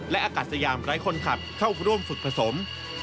และอากาศสยามไร้คนขับเข้าร่วมฝึกผสม